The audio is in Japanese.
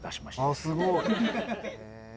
ああすごい。